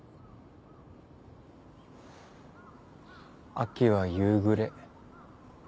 秋は夕暮れ。